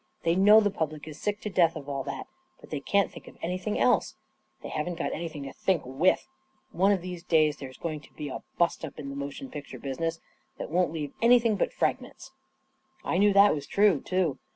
They know the public is sick to death of all that, but they can't think of anything else I They haven't got anything to think with ! One of these days there is going to be a bust up in the motion picture business that won't leave anything but fragments !" I knew that was true, too.